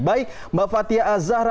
baik mbak fathia azhar